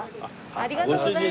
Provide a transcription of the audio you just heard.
ありがとうございます。